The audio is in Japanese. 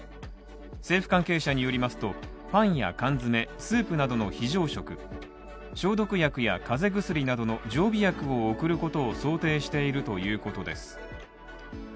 政府関係者によりますと、パンや缶詰スープなどの非常食消毒薬や風邪薬などの常備薬を送ることを想定しているということです。